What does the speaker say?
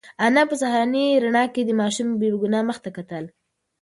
انا په سهارنۍ رڼا کې د ماشوم بې گناه مخ ته کتل.